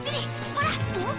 ほら！